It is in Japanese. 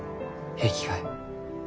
平気かえ？